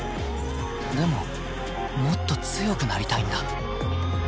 でももっと強くなりたいんだ